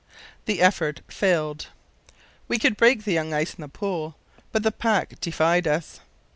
The effort failed. We could break the young ice in the pool, but the pack defied us.